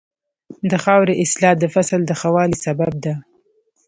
د خاورې اصلاح د فصل د ښه والي سبب ده.